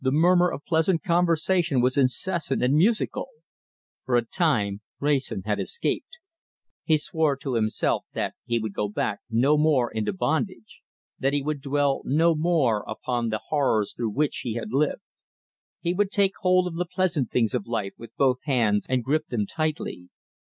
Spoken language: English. The murmur of pleasant conversation was incessant and musical. For a time Wrayson had escaped. He swore to himself that he would go back no more into bondage; that he would dwell no more upon the horrors through which he had lived. He would take hold of the pleasant things of life with both hands, and grip them tightly.